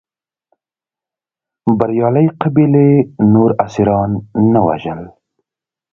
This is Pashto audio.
بریالۍ قبیلې نور اسیران نه وژل.